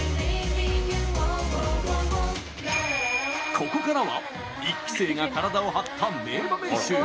ここからは１期生が体を張った名場面集。